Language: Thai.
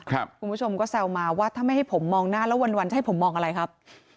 คุณผู้ชมก็แซวมาว่าถ้าไม่ให้ผมมองหน้าแล้ววันจะให้ผมมองอะไรครับ